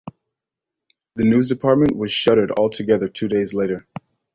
The news department was shuttered altogether two days later.